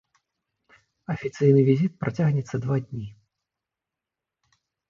Афіцыйны візіт працягнецца два дні.